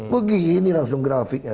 begini langsung grafiknya